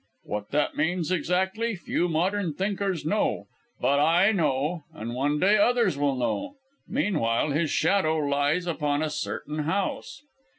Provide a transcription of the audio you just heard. What that means, exactly, few modern thinkers know; but I know, and one day others will know. Meanwhile his shadow lies upon a certain house."